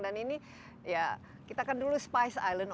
dan ini ya kita kan dulu spice island